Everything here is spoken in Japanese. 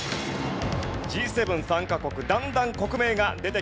Ｇ７参加国だんだん国名が出てきます。